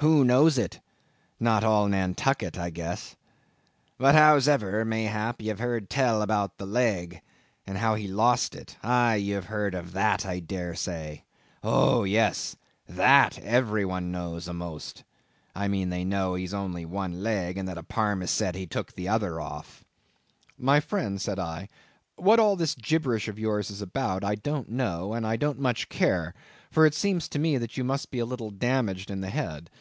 Who knows it? Not all Nantucket, I guess. But hows'ever, mayhap, ye've heard tell about the leg, and how he lost it; aye, ye have heard of that, I dare say. Oh yes, that every one knows a'most—I mean they know he's only one leg; and that a parmacetti took the other off." "My friend," said I, "what all this gibberish of yours is about, I don't know, and I don't much care; for it seems to me that you must be a little damaged in the head.